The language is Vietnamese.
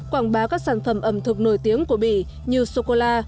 quảng bá các sản phẩm ẩm thực nổi tiếng của bỉ như sô cô la